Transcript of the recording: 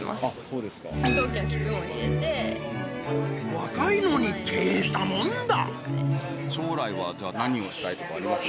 若いのにてーしたもんだ！